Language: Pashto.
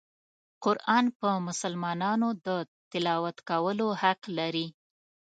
قرآن په مسلمانانو د تلاوت کولو حق لري.